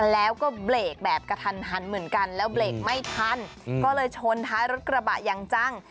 แล้วก็เบรกแบบกระทันหันเหมือนกันแล้วเบรกไม่ทันก็เลยชนท้ายรถกระบะอย่างจัง